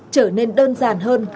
trở nên đơn giản hơn